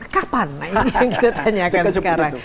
kapan nah ini yang kita tanyakan sekarang